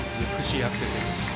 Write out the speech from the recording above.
美しいアクセルです。